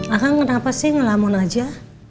akang kenapa sih ngelammon aja